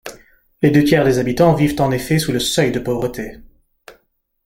Les deux tiers des habitants vivent en effet sous le seuil de pauvreté.